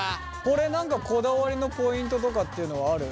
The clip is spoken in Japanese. これ何かこだわりのポイントとかっていうのはある？